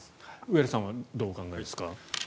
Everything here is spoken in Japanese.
上原さんはどうお考えですか。